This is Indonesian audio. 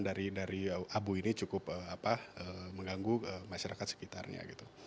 jadi dari abu ini cukup mengganggu masyarakat sekitarnya